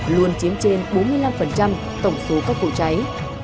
luôn chiếm trên bốn mươi năm tổng số các vụ cháy